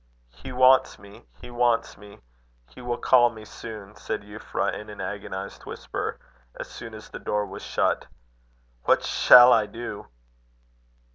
"He wants me. He wants me. He will call me soon," said Euphra, in an agonised whisper, as soon as the door was shut. "What shall I do!"